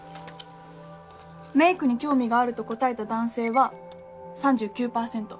メイクに興味があると答えた男性は３９％。